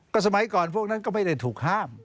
สมัยก่อนพวกนั้นก็ไม่ได้ถูกห้าม